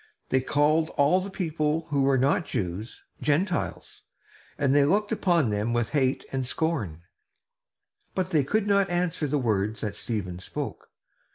They called all the people who were not Jews "Gentiles," and they looked upon them with hate and scorn; but they could not answer the words that Stephen spoke.